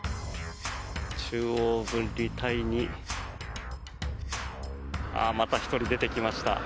中央分離帯にまた１人出てきました。